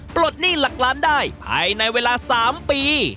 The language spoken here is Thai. ปลดหนี้หลักล้านได้ภายในเวลา๓ปี